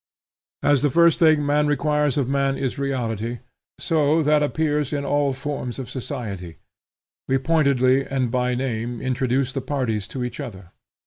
As the first thing man requires of man is reality, so that appears in all the forms of society. We pointedly, and by name, introduce the parties to each other.